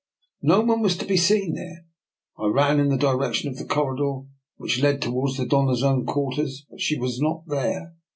No one was to be seen there. I ran in the direction of the corridor which led towards the Doiia's own quarters, but she was not there!